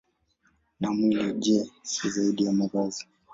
Na mwili, je, si zaidi ya mavazi?